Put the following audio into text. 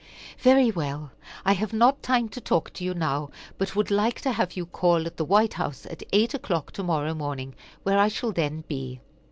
"Very well; I have not time to talk to you now, but would like to have you call at the White House, at eight o'clock to morrow morning, where I shall then be."